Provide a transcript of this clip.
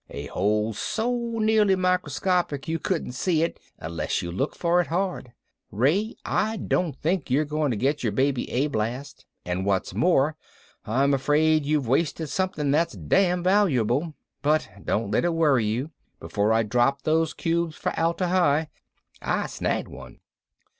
A hole so nearly microscopic you wouldn't see it unless you looked for it hard. Ray, I don't think you're going to get your baby A blast, and what's more I'm afraid you've wasted something that's damn valuable. But don't let it worry you. Before I dropped those cubes for Atla Hi I snagged one."